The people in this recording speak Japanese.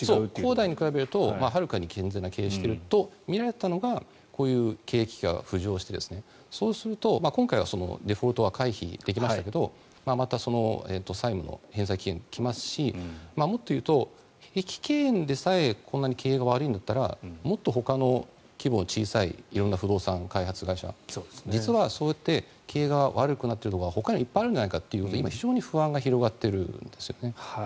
恒大に比べるとはるかに健全な経営をしているとみられているのがこういう経営危機が浮上してそうすると今回はデフォルトは回避できましたがまた債務の返済期限が来ますしもっと言うと碧桂園でさえこんなに経営が悪いんだったらもっとほかの規模の小さい色んな不動産開発会社実はそうやって経営が悪くなっているところはほかにもいっぱいあるんじゃないかということで非常に今不安が広がっているんですよね。